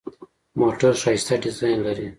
موټر ښایسته ډیزاین لري.